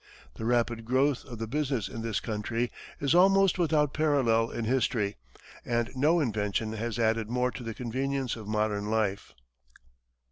The rapid growth of the business in this country is almost without a parallel in history, and no invention has added more to the convenience of modern life.